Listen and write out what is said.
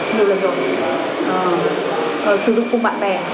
sử dụng cùng bạn bè